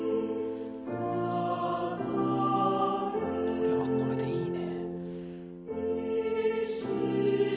これはこれでいいね。